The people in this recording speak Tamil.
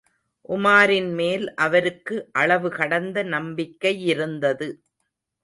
உமாரின்மேல் அவருக்கு அளவு கடந்த நம்பிக்கையிருந்தது.